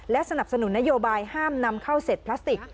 สนับสนุนนโยบายห้ามนำเข้าเสร็จพลาสติก